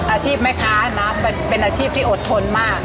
อาชีพแม่ค้านะเป็นอาชีพที่อดทนมาก